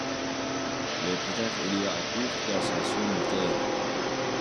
Il est plus tard élu à la Cour de cassation militaire.